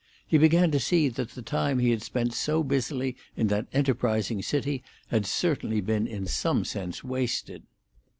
He began to see that the time he had spent so busily in that enterprising city had certainly been in some sense wasted.